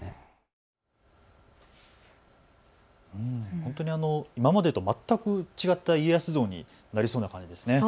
本当に今までと全く違った家康像になりそうな感じですね。